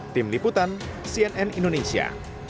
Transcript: tim liputan cnn indonesia